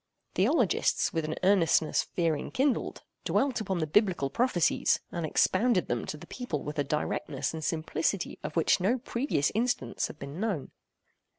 Theologists with an earnestness fear enkindled, dwelt upon the biblical prophecies, and expounded them to the people with a directness and simplicity of which no previous instance had been known.